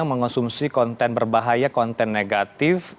mengonsumsi konten berbahaya konten negatif